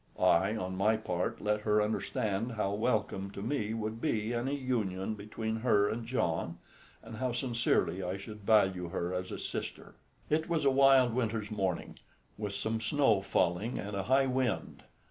I on my part let her understand how welcome to me would be any union between her and John, and how sincerely I should value her as a sister. It was a wild winter's morning, with some snow falling and a high wind.